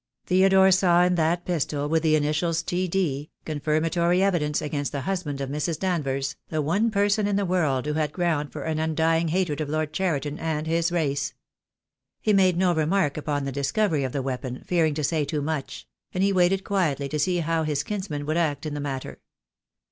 Theodore saw in that pistol with the initials "T. D.," confirmatory evidence against the husband of Mrs. Danvers, the one person in the world who had ground for an un dying hatred of Lord Cheriton and his race. He made no remark upon the discovery of the weapon, fearing to say too much; and he waited quietly to see how his kinsman would act in the matter.